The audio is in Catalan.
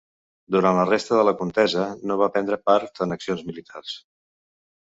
Durant la resta de la contesa no va prendre part en accions militars.